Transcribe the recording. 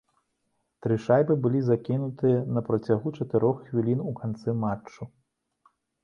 Тры шайбы былі закінутыя на працягу чатырох хвілін у канцы матчу.